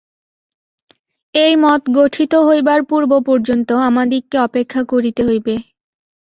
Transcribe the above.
এই মত গঠিত হইবার পূর্ব পর্যন্ত আমাদিগকে অপেক্ষা করিতে হইবে।